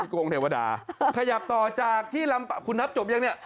กงเทวดาขยับต่อจากที่ลำปะคุณนับจบยังเนี่ย